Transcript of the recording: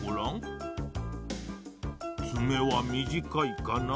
つめはみじかいかな？